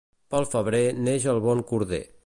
Pel febrer neix el bon corder.